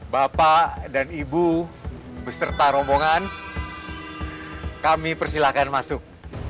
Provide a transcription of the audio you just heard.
bapak dan ibu beserta rombongan kami persilahkan masuk